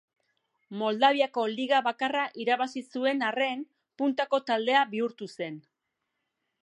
Moldaviako Liga bakarra irabazi zuen arren puntako taldea bihurtu zen.